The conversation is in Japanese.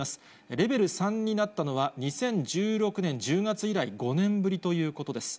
レベル３になったのは２０１６年１０月以来５年ぶりということです。